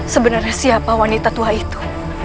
sebenarnya siapa wanita tua itu